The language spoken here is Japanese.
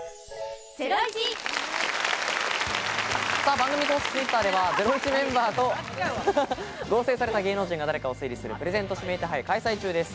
番組公式Ｔｗｉｔｔｅｒでは『ゼロイチ』メンバーと合成された芸能人が誰かを推理するプレゼント指名手配を開催中です。